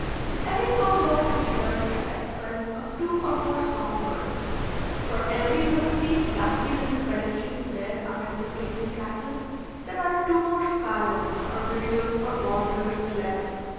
Every cow bird is reared at the expense of two or more song birds. For every one of these dusky little pedestrians there amid the grazing cattle there are two more sparrows, or vireos, or warblers, the less.